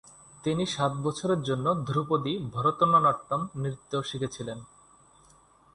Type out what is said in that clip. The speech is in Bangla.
তিনি সাত বছরের জন্য ধ্রুপদী ভরতনাট্যম নৃত্য শিখেছিলেন।